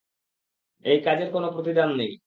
এই কাজের কোনও প্রতিদান নেই।